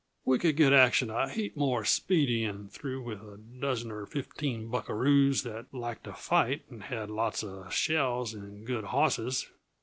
We could get action a heap more speedy and thorough with a dozen or fifteen buckaroos that liked to fight and had lots uh shells and good hosses.